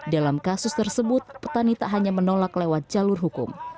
dalam kasus tersebut petani tak hanya menolak lewat jalur hukum